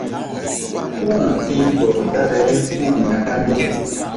Hul ti̧h tɔr dale puh na kandɔk.